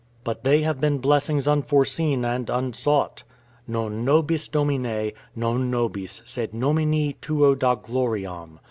But they have been blessings unforeseen and unsought. "Non nobis Domine, non nobis, sed nomini tuo da gloriam!"